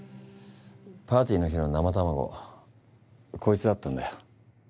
パーティーの日の生卵こいつだったんだよ。